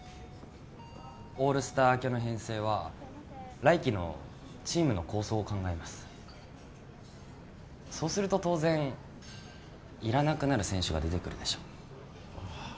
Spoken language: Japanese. オールスター明けの編成は来季のチームの構想を考えますそうすると当然いらなくなる選手が出てくるでしょあっ